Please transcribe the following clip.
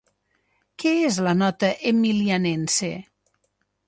Què és la Nota Emilianense?